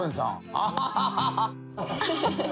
アハハハハ！